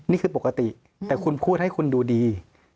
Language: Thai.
นี่คือปกติแต่คุณพูดให้คุณดูดี